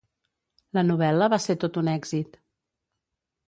La novel·la va ser tot un èxit.